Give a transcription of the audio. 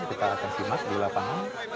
kita akan simak di lapangan